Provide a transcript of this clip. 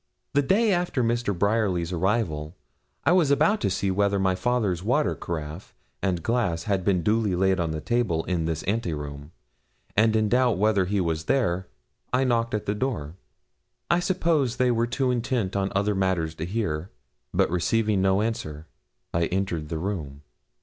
The day after Mr. Bryerly's arrival, I was about to see whether my father's water caraffe and glass had been duly laid on the table in this ante room, and in doubt whether he was there, I knocked at the door. I suppose they were too intent on other matters to hear, but receiving no answer, I entered the room.